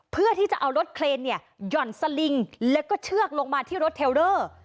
เพื่อที่จะเอารถเคลนเนี่ยหย่อนสลิงแล้วก็เชือกลงมาที่รถเทลเดอร์